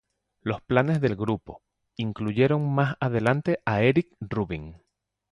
Los planes del grupo, incluyeron más adelante a Erik Rubín.